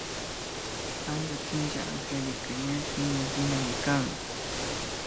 Alli puncha Angélica ña shunkullinamikan